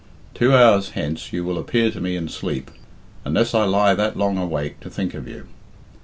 Two hours hence you will appear to me in sleep, unless I lie that long awake to think of you.